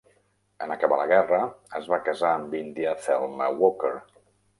En acabar la guerra, es va casar amb India Thelma Walker.